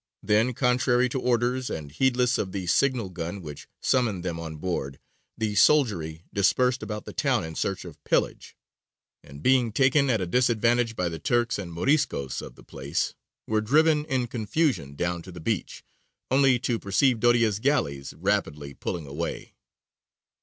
Then, contrary to orders and heedless of the signal gun which summoned them on board, the soldiery dispersed about the town in search of pillage, and, being taken at a disadvantage by the Turks and Moriscos of the place, were driven in confusion down to the beach, only to perceive Doria's galleys rapidly pulling away.